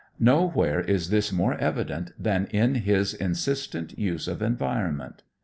Nowhere is this more evident than in his insistent use of environment.